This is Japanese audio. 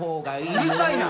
うるさいな！